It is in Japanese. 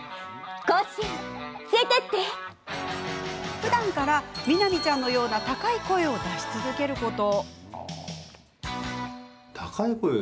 ふだんから、南ちゃんのような高い声を出し続けること。